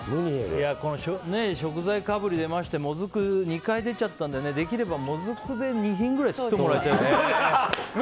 食材かぶりが出ましてもずくが２回出ちゃったのでできれば、もずくで２品くらい作ってほしいですね。